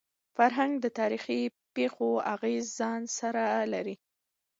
فرهنګ د تاریخي پېښو اغېز ځان سره لري.